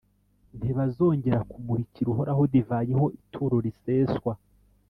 Ntibazongera kumurikira Uhoraho divayi ho ituro riseswa,